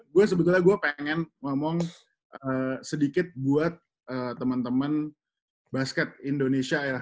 gue sebetulnya pengen ngomong sedikit buat temen temen basket indonesia ya